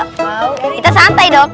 kita santai dong